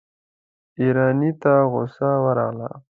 ايراني ته غصه ورغله.